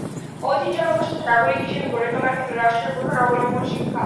অধীন জনগোষ্ঠীকে নাগরিক হিসেবে গড়ে তোলার ক্ষেত্রে রাষ্ট্রের প্রধান অবলম্বন শিক্ষা।